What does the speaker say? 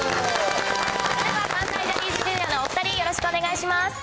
関西ジャニーズＪｒ．のお２人、よろしくお願いします。